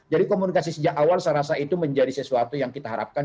jadi komunikasi sejak awal saya rasa itu menjadi sesuatu yang kita harapkan